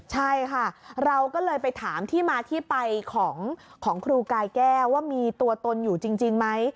ใช่ค่ะเราก็เลยไปถามที่มาที่ไปของครูกายแก้วว่ามีตัวตนอยู่จริงไหม